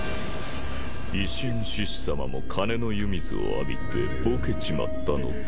維新志士さまも金の湯水を浴びてぼけちまったのかい？